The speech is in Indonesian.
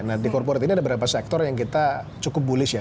nah di corporate ini ada beberapa sektor yang kita cukup bullish ya